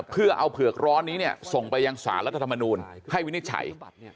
เพื่อเอาเผือกร้อนนี้ส่งไปยังสารรัฐธรรมนูลให้วินิจฉัย